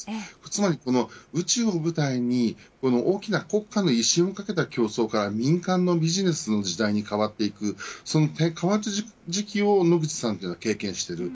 つまり宇宙を舞台に大きな国家の威信をかけた競争から民間のビジネスの時代に変わっていく、その変わった時期を野口さんは経験しています。